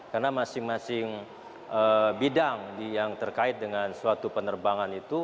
karena masing masing bidang yang terkait dengan suatu penerbangan itu